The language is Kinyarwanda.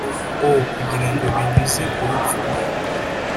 o kugira ngo binyuze ku rupfu rwe